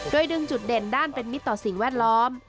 โดยดึงจุดเด่นด้านเป็นมิตรต่อสิ่งแวดล้อม